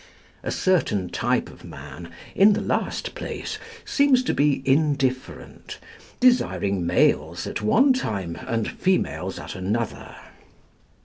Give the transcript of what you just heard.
A certain type of man, in the last place, seems to be indifferent, desiring males at one time and females at another.